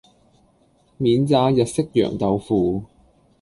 免炸日式揚豆腐